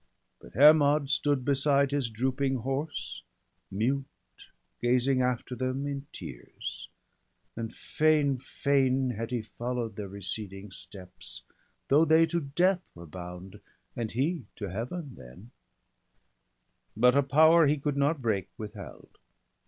But Hermod stood beside his drooping horse, Mute, gazing after them in tears ; and fain. Fain had he follow'd their receding steps, Though they to death were bound, and he to Heaven, Then; but a power he could not break withheld.